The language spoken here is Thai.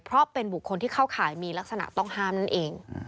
เพราะเป็นบุคคลที่เข้าข่ายมีลักษณะต้องห้ามนั่นเอง